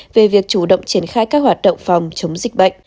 về việc chủ động triển khai các hoạt động phòng chống dịch bệnh